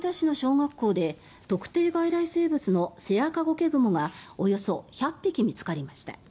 学校で特定外来生物のセアカゴケグモがおよそ１００匹見つかりました。